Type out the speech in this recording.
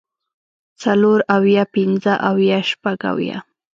څلور اويه پنځۀ اويه شپږ اويه